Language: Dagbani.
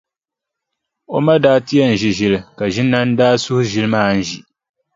O ma daa ti yɛn ʒi ʒili ka Ʒinani daa suhi ʒili maa n-ʒi.